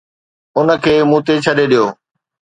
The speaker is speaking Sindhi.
ان کي مون تي ڇڏي ڏيو